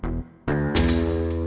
bapak mau lihat